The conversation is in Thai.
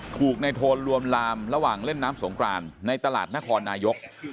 ถูกในโทนลวนลามระหว่างเล่นน้ำสงกรานในตลาดนครนายก